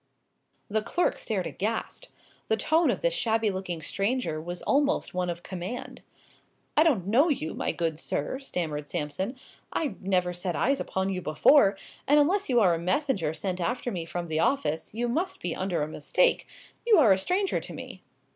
The clerk stared aghast. The tone of this shabby looking stranger was almost one of command. "I don't know you, my good sir," stammered Sampson; "I never set eyes upon you before; and unless you are a messenger sent after me from the office, you must be under a mistake. You are a stranger to me!"